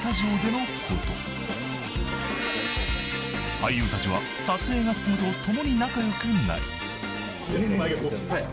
［俳優たちは撮影が進むとともに仲良くなり］ねえねえ。